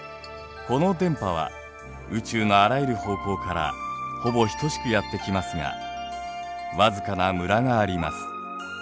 この電波は宇宙のあらゆる方向からほぼ等しくやって来ますがわずかなムラがあります。